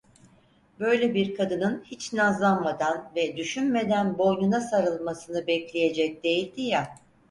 Böyle bir kadının hiç nazlanmadan ve düşünmeden boynuna sarılmasını bekleyecek değildi ya…